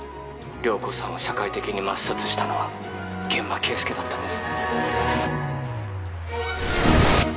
涼子さんを社会的に抹殺したのは諫間慶介だったんです。